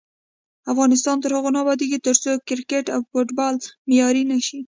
افغانستان تر هغو نه ابادیږي، ترڅو کرکټ او فوټبال معیاري نشي.